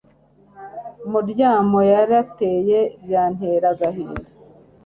muryamo yarateye ,byantera agahinda